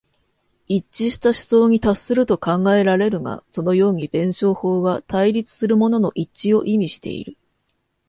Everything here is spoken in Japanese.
一致した思想に達すると考えられるが、そのように弁証法は対立するものの一致を意味している。